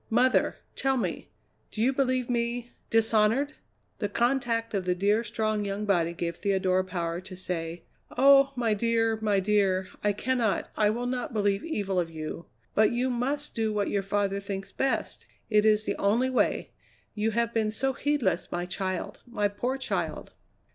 "Mother, tell me, do you believe me dishonoured?" The contact of the dear, strong young body gave Theodora power to say: "Oh! my dear, my dear, I cannot, I will not believe evil of you. But you must do what your father thinks best; it is the only way. You have been so heedless, my child, my poor child."